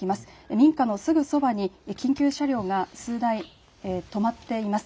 民家のすぐそばに緊急車両が数台、止まっています。